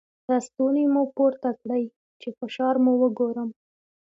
ړستونی مو پورته کړی چې فشار مو وګورم.